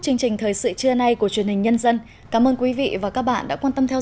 chương trình thời sự trưa nay của truyền hình nhân dân cảm ơn quý vị và các bạn đã quan tâm theo